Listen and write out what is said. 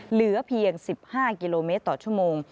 เหลือเพียง๑๕กมต่อชั่วโมง